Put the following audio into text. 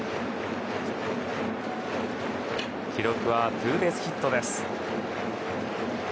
記録はツーベースヒットです。